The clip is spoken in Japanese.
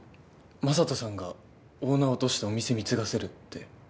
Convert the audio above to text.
Ｍａｓａｔｏさんがオーナー落としてお店貢がせるって。